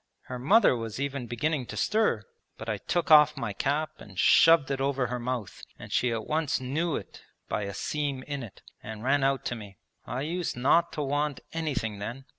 Her mother was even beginning to stir, but I took off my cap and shoved it over her mouth; and she at once knew it by a seam in it, and ran out to me. I used not to want anything then.